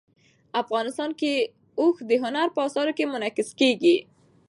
افغانستان کې اوښ د هنر په اثار کې منعکس کېږي.